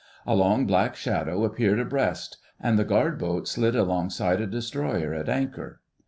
A long black shadow appeared abreast, and the Guard Boat slid alongside a Destroyer at anchor.